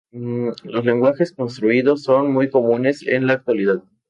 Los lenguajes construidos son muy comunes en la actualidad.